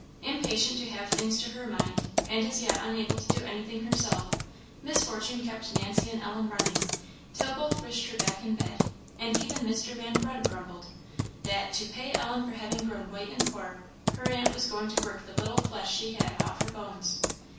Impatient to have things to her mind, and as yet unable to do anything herself, Miss Fortune kept Nancy and Ellen running, till both wished her back in bed; and even Mr. Van Brunt grumbled, that "to pay Ellen for having grown white and poor, her aunt was going to work the little flesh she had left off her bones."